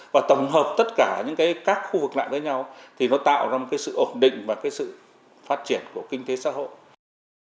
và tổng hợp tất cả những các khu vực lại với nhau thì nó tạo ra một cái sự ổn định và cái sự phát triển của kinh tế xã hội